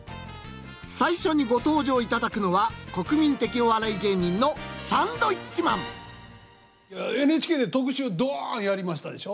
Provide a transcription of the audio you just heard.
最初にご登場いただくのは国民的お笑い芸人のＮＨＫで特集ドンやりましたでしょ？